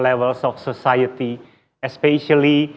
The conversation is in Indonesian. ke semua tahap masyarakat